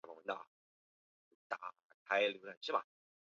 南山县治梅菉镇析吴川县地设梅菉市。